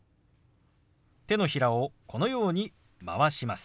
手のひらをこのように回します。